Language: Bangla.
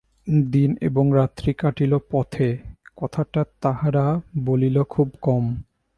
দিন এবং রাত্রি কাটিল পথে, কথা তাহারা বলিল খুব কম।